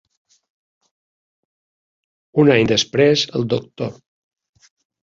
Un any després el doctor